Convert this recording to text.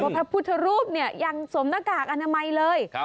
พระพุทธรูปเนี่ยยังสวมหน้ากากอนามัยเลย